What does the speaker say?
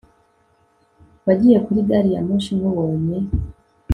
wagiye kuri gari ya moshi nkubonye